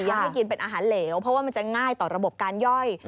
ให้กินเป็นอาหารเหลวเพราะว่ามันจะง่ายต่อระบบการย่อย